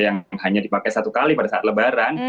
yang hanya dipakai satu kali pada saat lebaran